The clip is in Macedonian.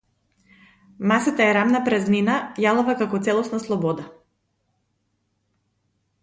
Масата е рамна празнина, јалова како целосна слобода.